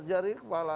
ruas jari kepala